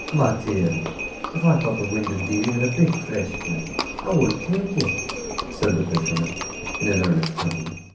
"My deary, if I thought the wind 'ud be even a bit fresh to night, I wouldn't take yer," said the fisherman, in an earnest tone.